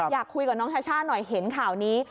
อยากคุยกับน้องชาช่าหน่อยเห็นข่าวนี้